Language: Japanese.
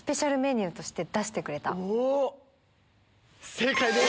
正解です！